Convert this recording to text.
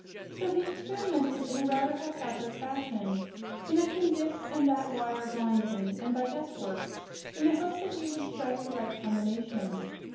So he experimented in a rather haphazard fashion, connecting this and that wire blindly and by guesswork, in the hope that he would strike the right combination.